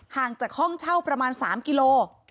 ห่างจากห้องเช่าประมาณ๓กิโล